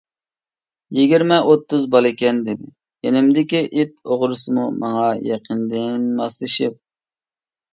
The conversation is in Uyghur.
-يىگىرمە-ئوتتۇز بالىكەن! ، -دېدى يېنىمدىكى ئىت ئوغرىسىمۇ ماڭا يېقىندىن ماسلىشىپ.